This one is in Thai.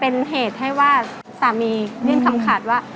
เป็นเหตุให้ว่าสามียื่นคำขาดว่า